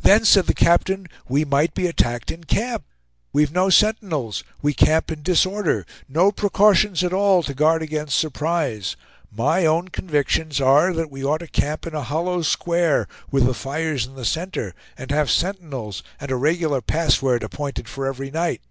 "Then," said the captain, "we might be attacked in camp. We've no sentinels; we camp in disorder; no precautions at all to guard against surprise. My own convictions are that we ought to camp in a hollow square, with the fires in the center; and have sentinels, and a regular password appointed for every night.